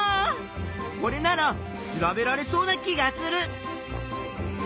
これなら調べられそうな気がする！